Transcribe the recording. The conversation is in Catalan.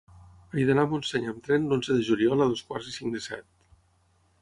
He d'anar a Montseny amb tren l'onze de juliol a dos quarts i cinc de set.